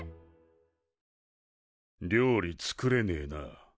料理作れねえな。